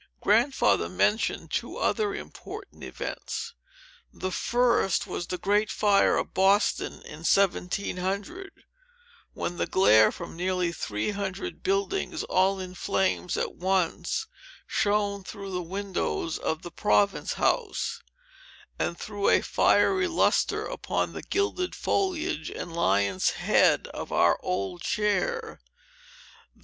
Grandfather mentioned two other important events. The first was the great fire of Boston, in 1700, when the glare from nearly three hundred buildings, all in flames at once, shone through the windows of the Province House, and threw a fierce lustre upon the gilded foliage and lion's head of our old chair.